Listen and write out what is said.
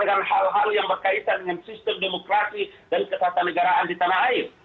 dengan hal hal yang berkaitan dengan sistem demokrasi dan ketatanegaraan di tanah air